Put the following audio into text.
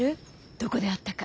どこで会ったか。